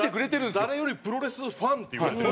誰よりプロレスファンっていわれてる。